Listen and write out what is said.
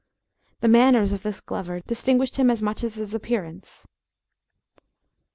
The manners of this Glover distinguished him as much as his appearance.